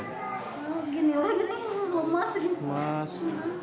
begini lagi lemas